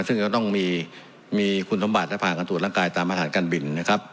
ซึ่งจะต้องมีคุณสมบัติและผ่านการตรวจร่างกายตามมาตรฐานการบินนะครับ